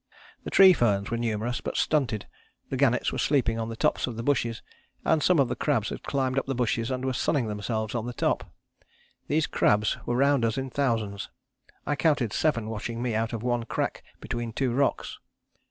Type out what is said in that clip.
"The tree ferns were numerous, but stunted. The gannets were sleeping on the tops of the bushes, and some of the crabs had climbed up the bushes and were sunning themselves on the top. These crabs were round us in thousands I counted seven watching me out of one crack between two rocks.